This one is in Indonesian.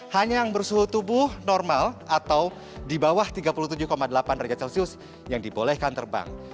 hanya yang bersuhu tubuh normal atau di bawah tiga puluh tujuh delapan derajat celcius yang dibolehkan terbang